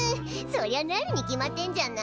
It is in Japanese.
そりゃなるに決まってんじゃない。